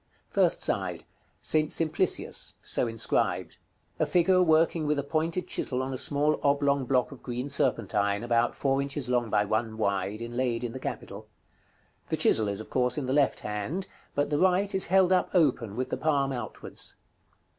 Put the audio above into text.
§ CXVII. First side. "ST. SIMPLICIUS": so inscribed. A figure working with a pointed chisel on a small oblong block of green serpentine, about four inches long by one wide, inlaid in the capital. The chisel is, of course, in the left hand, but the right is held up open, with the palm outwards.